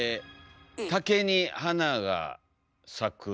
「竹に花が咲く」。